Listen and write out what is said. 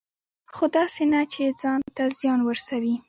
خو داسې نه چې ځان ته زیان ورسوي.